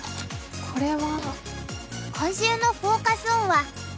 これは。